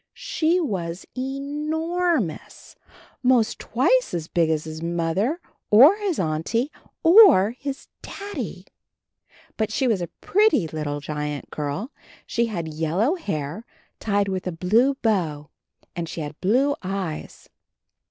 She was e nor mous — most twice as big as his Mother or his Auntie or his Daddy! But she was a pretty little giant girl; she had yellow hair tied with a blue bow, and she had blue eyes.